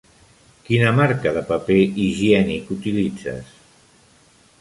Quina marca de paper higiènic utilitzes?